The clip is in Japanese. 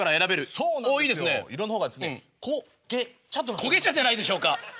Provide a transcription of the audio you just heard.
焦げ茶じゃないでしょうか？